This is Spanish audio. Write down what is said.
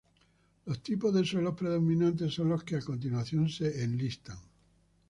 Los tipos de suelos predominantes son los que a continuación se enlistan.